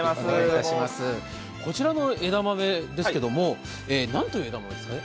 こちらの枝豆ですけれどもなんという枝豆ですか？